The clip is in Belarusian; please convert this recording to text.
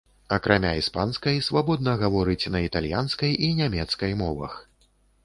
Акрамя іспанскай, свабодна гаворыць на італьянскай і нямецкай мовах.